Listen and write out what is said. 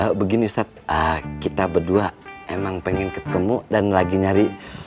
ya begini ustadz kita berdua emang pengen ketemu dan lagi nyari